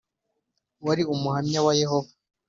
wari Umuhamya wa Yehova.